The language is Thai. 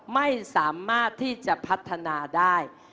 ไม่สามารถที่จะพัฒนาได้